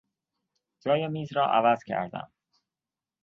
جای میز را عوض کردم.